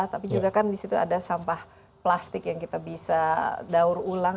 tapi juga kan di situ ada sampah plastik yang kita bisa daur ulang